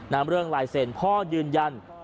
เรื่องลายเซ็นต์พ่อยืนยัน